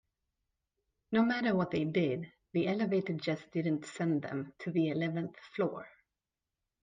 No matter what they did, the elevator just didn't send them to the eleventh floor.